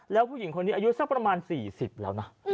แล้วผู้หญิงคนนี้อายุสักประมาณ๔๐แล้วนะ